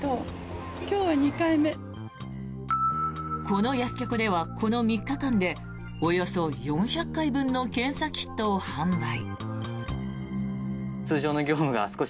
この薬局ではこの３日間でおよそ４００回分の検査キットを販売。